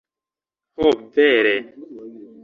Ho vere...